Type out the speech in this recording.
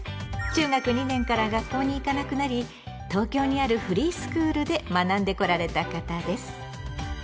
中学２年から学校に行かなくなり東京にあるフリースクールで学んでこられた方です。